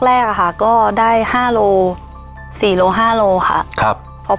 แรกก็ได้๔๕กิโลกรัมค่ะ